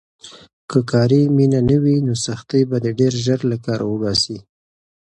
که کاري مینه نه وي، نو سختۍ به دې ډېر ژر له کاره وباسي.